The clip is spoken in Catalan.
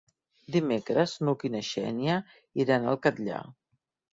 Dimecres n'Hug i na Xènia iran al Catllar.